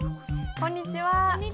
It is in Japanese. こんにちは。